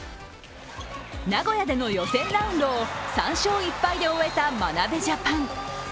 名古屋での予選ラウンドを３勝１敗で終えた眞鍋ジャパン。